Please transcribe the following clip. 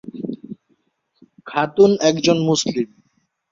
খাতুন একজন মুসলিম।